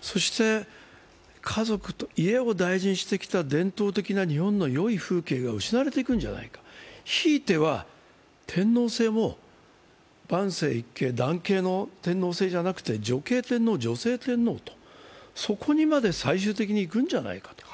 そして家族と家を大事にしてきた日本のいい伝統が失われていくんじゃないか、ひいては天皇制も男系の天皇じゃなくて、女系天皇、女性天皇と、そこにまで最終的にいくんじゃないかと。